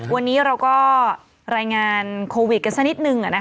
วันนี้เราก็รายงานโควิดกันสักนิดนึง